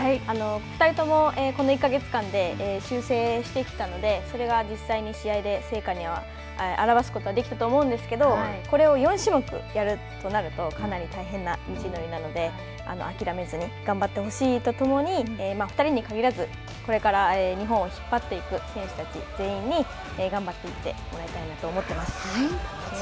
２人とも、この１か月間で修正してきたのでそれが実際に試合で成果に表すことができたと思うんですけどこれを４種目やるとなるとかなり大変な道のりなので諦めずに頑張ってほしいとともに２人に限らずこれから日本を引っ張っていく選手たち全員に頑張っていってもらいたいなと思ってます。